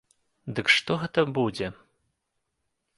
Дык што гэта будзе?